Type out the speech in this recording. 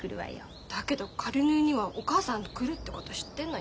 だけど仮縫いにはお母さんが来るってこと知ってんのよ。